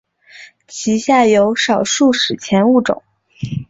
其下有少数史前物种。